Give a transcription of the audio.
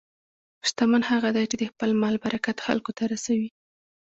شتمن هغه دی چې د خپل مال برکت خلکو ته رسوي.